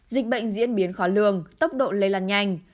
dịch bệnh diễn biến khó lường tốc độ lây lan nhanh